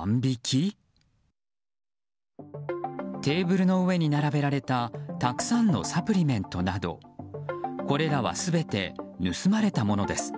テーブルの上に並べられたたくさんのサプリメントなどこれらは全て盗まれたものです。